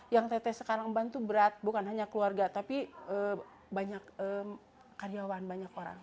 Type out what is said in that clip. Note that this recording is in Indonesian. yang tete sekarang bantu berat bukan hanya keluarga tapi banyak karyawan banyak orang